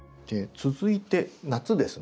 続いて夏ですね。